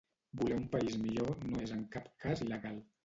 Voler un país millor no és en cap cas il·legal.